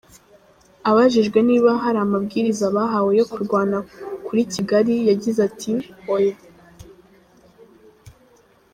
Abajijwe niba hari amabwiriza bahawe yo kurwana kuri Kigali, yagize ati: “Oya.